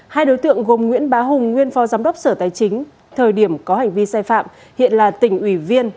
hai đối tượng gồm nguyễn bá hùng nguyên phó giám đốc sở tài chính thời điểm có hành vi sai phạm hiện là tỉnh ủy viên